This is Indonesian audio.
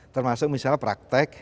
termasuk misalnya praktek